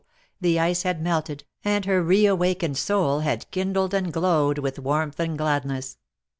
the ice had melted, and her re awakened soul had kindled and glowed with warmth and gladness.